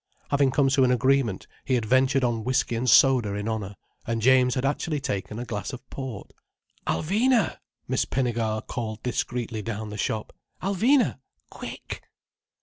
Having come to an agreement, he had ventured on whiskey and soda in honour, and James had actually taken a glass of port. "Alvina!" Miss Pinnegar called discreetly down the shop. "Alvina! Quick!"